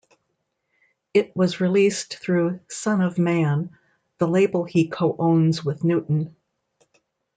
It was released through Son Of Man, the label he co-owns with Newton.